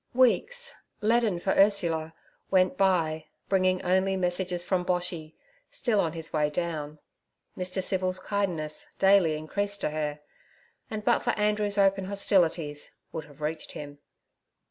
Weeks, leaden for Ursula, went by, bringing only messages from Boshy, still on his way down. Mr. Civil's kindness daily increased to her, and but for Andrew's open hostilities would have reached him.